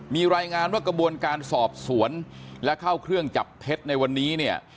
มีรายงานว่ากระบวนการสอบสวนและเข้าเครื่องจับเท็จในวันนี้เนี่ย